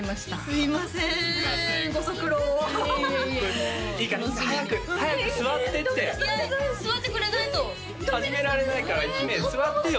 すいませんご足労をいえいえいえもういいからいいから早く早く座ってっていや座ってくれないと始められないから姫座ってよ